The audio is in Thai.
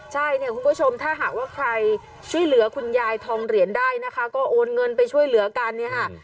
ใช่เนี่ยคุณผู้ชมถ้าหากว่าใครช่วยเหลือคุณยายทองเหรียญได้นะคะก็โอนเงินไปช่วยเหลือกันเนี่ยค่ะ